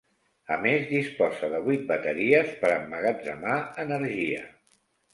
A més, disposa de vuit bateries per emmagatzemar energia.